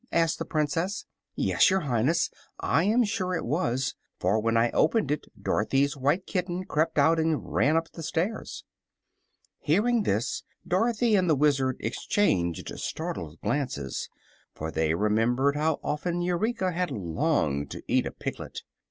asked the Princess. "Yes, your Highness; I am sure it was; for when I opened it Dorothy's white kitten crept out and ran up the stairs." Hearing this, Dorothy and the Wizard exchanged startled glances, for they remembered how often Eureka had longed to eat a piglet.